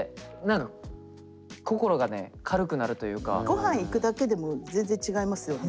ごはん行くだけでも全然違いますよね。